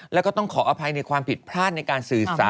แล้วก็ต้องขออภัยในความผิดพลาดในการสื่อสาร